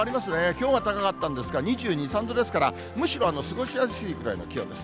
きょうは高かったんですが、２２、３度ですから、むしろ過ごしやすいくらいの気温です。